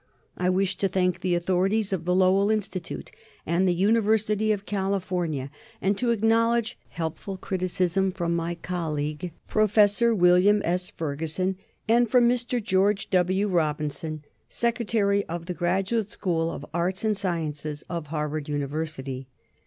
I wish to thank the authorities of the Lowell Institute and the University of California, and to acknowledge helpful criticism from my colleague Professor William S. Ferguson and from Mr. George W. Robinson, Secretary of the Graduate School of Arts and Sciences of Harvard University.